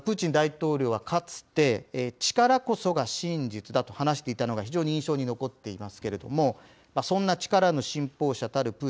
プーチン大統領はかつて、力こそが真実だと話していたのが非常に印象に残っていますけれども、そんな力の信奉者たる